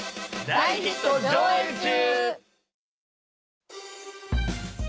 大ヒット上映中！